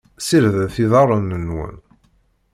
Ssiredet iḍarren-nwen.